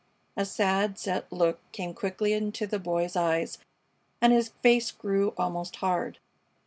A sad, set look came quickly into the Boy's eyes and his face grew almost hard.